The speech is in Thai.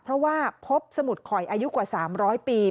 เพราะว่าพบสมุดข่อยอายุกว่า๓๐๐ปี